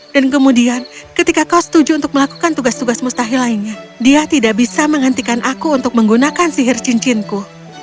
dan kemudian ketika kau setuju untuk melakukan tugas tugas mustahil lainnya dia tidak bisa menghentikan aku untuk menggunakan sihir cincinku